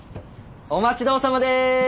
お待ち遠さまです！